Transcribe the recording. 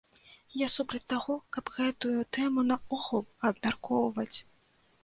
Я супраць таго, каб гэтую тэму наогул абмяркоўваць.